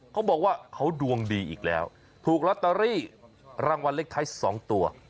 เขาบอกว่าเขาดวงดีอีกแล้วถูกลอตเตอรี่รางวัลเลขท้าย๒ตัว